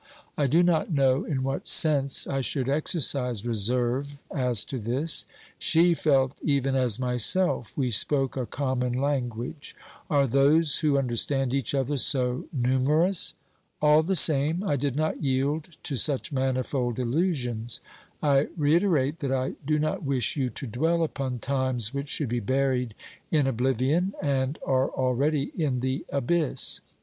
I do not know in what sense I should exercise reserve as to this. She felt even as myself; we spoke a common language ; are those who understand each other so numerous ? All the same, I did not yield to such manifold illusions. I reiterate that I do not wish you to dwell upon times which should be buried in oblivion and are already in the abyss.